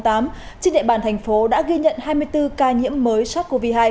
trên địa bàn thành phố đã ghi nhận hai mươi bốn ca nhiễm mới sars cov hai